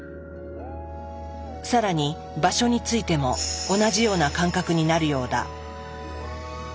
更に場所についても同じような感覚になるようだ。